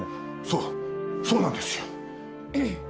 そうそうなんですよ。